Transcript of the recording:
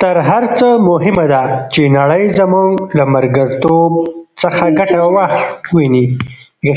تر هر څه مهمه ده چې نړۍ زموږ له ملګرتوب څخه ګټه وویني.